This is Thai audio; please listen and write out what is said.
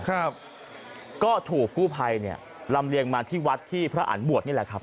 ครับก็ถูกกู้ภัยเนี่ยลำเลียงมาที่วัดที่พระอันบวชนี่แหละครับ